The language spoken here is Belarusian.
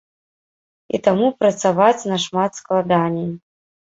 І таму працаваць нашмат складаней.